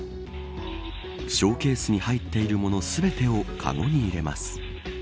ショーケースに入っているもの全てをかごに入れます。